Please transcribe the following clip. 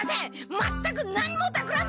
まったく何もたくらんでません！